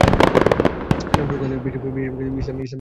এর অংশগ্রহণকারীদের বেশিরভাগই ইসলামের শিয়া সম্প্রাদয় অন্তর্ভুক্ত।